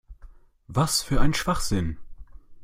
Was für ein Schwachsinn!